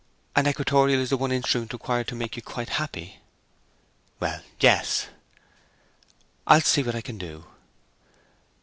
'An equatorial is the one instrument required to make you quite happy?' 'Well, yes.' 'I'll see what I can do.'